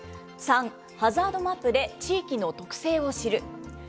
３、ハザードマップで地域の特性を知る。